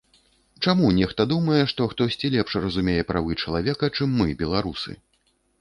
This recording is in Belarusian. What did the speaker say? Чаму нехта думае, што хтосьці лепш разумее правы чалавека, чым мы, беларусы?